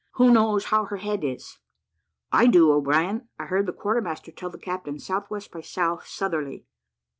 Who knows how her head is?" "I do, O'Brien: I heard the quarter master tell the captain S.W. by S. Southerly."